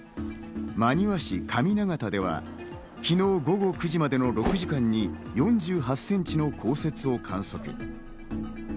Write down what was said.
真庭市上長田では昨日午後９時までの６時間に４８センチの降雪を観測。